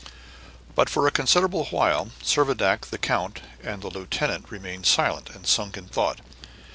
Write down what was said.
But for a considerable while, Servadac, the count, and the lieutenant remained silent and sunk in thought.